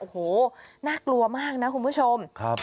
โอ้โหน่ากลัวมากนะคุณผู้ชม